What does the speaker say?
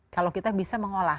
kalau kita bisa mengolah